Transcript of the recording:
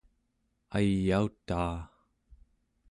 ayautaa